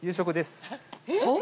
えっ？